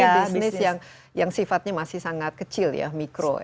bisnis yang sifatnya masih sangat kecil ya mikro